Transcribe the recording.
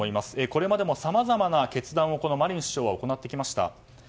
これまでもさまざまな決断をこのマリン首相は行ってきました。